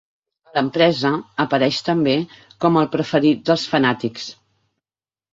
A l'empresa, apareix també com el preferit dels fanàtics.